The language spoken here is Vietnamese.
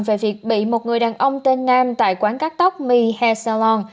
về việc bị một người đàn ông tên nam tại quán cắt tóc my hair salon